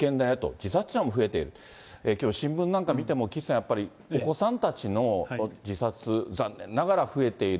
自殺者も増えている、きょう新聞なんか見ても、岸さん、やっぱりお子さんたちの自殺、残念ながら増えている。